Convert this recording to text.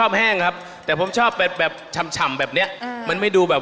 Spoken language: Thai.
การนำเสนอก็การนำเสนอเป็นอย่างไรครับ